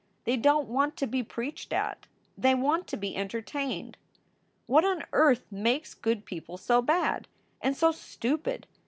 They don t want to be preached at; they want to be entertained. "What on earth makes good people so bad? and so stupid